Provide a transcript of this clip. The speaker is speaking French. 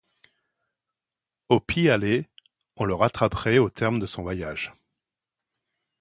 Au pis aller, on le rattraperait au terme de son voyage.